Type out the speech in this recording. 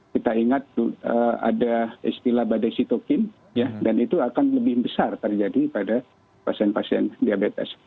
kita ingat ada istilah badai sitokin dan itu akan lebih besar terjadi pada pasien pasien diabetes